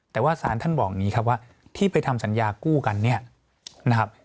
แต่ว่าสารท่านบอกอย่างนี้ครับว่าที่ไปทำสัญญากู้กันเนี่ยนะครับ